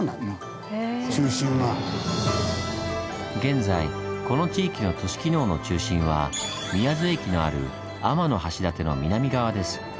現在この地域の都市機能の中心は宮津駅のある天橋立の南側です。